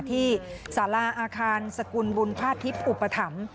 ที่สาราอาคารสกุลบุญพาทิพย์อุปถัมภ์